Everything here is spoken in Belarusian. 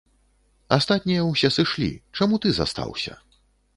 Астатнія ўсе сышлі, чаму ты застаўся?